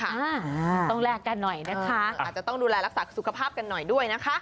อ่าต้องแลกกันหน่อยนะคะอาจจะต้องดูแลรักษาสุขภาพกันหน่อยด้วยนะคะ